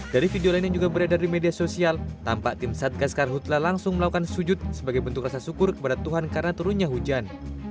dari video lain yang juga beredar di media sosial tampak tim satgas karhutlah langsung melakukan sujud sebagai bentuk rasa syukur kepada tuhan karena turunnya hujan